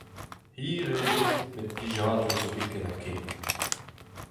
Hir eo bet met plijadur zo bet ken-ha-ken.